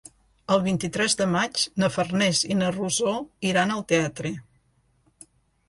El vint-i-tres de maig na Farners i na Rosó iran al teatre.